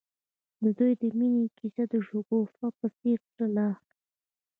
د دوی د مینې کیسه د شګوفه په څېر تلله.